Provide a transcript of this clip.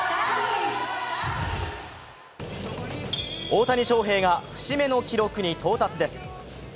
大谷翔平が節目の記録に到達です。